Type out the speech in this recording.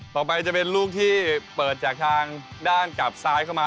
ต่อไปจะเป็นลูกที่เปิดจากทางด้านกลับซ้ายเข้ามา